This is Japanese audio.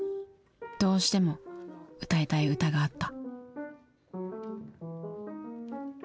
どうしても歌いたい歌があった。